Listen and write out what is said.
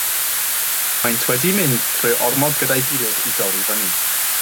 Maent wedi mynd trwy ormod gyda'i gilydd i dorri fyny.